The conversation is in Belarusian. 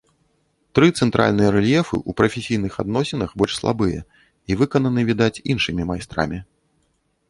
Тры цэнтральныя рэльефы ў прафесійных адносінах больш слабыя і выкананы, відаць, іншымі майстрамі.